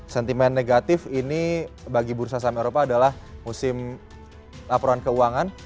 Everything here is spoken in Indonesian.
sentimen negatif ini bagi bursa saham eropa adalah musim laporan keuangan